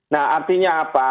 nah artinya apa